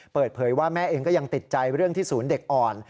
เปิดเผยว่าแม่เองก็ยังติดใจเรื่องที่ศูนย์เด็กอ่อน